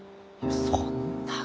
そんなが。